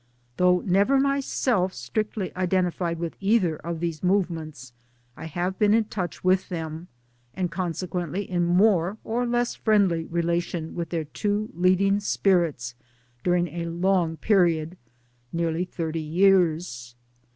Though never myself strictly identified with either of these movements I have been in touch with them, and consequently in more or less friendly relation with their two leading spirits during a long period now nearly thirty years.